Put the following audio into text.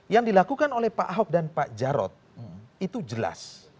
yang dilakukan oleh pak ahok dan pak jarod itu jelas